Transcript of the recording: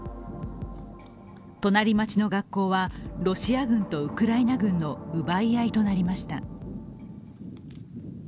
隣町の学校はロシア軍とウクライナ軍の奪い合いとなりました。